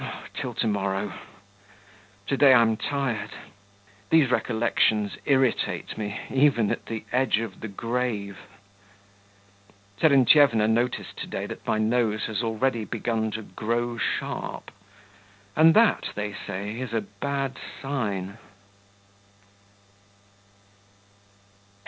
Till to morrow. To day I'm tired. These recollections irritate me even at the edge of the grave. Terentyevna noticed to day that my nose has already begun to grow sharp; and that, they say, is a bad sign.